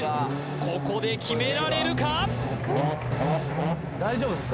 ここできめられるか？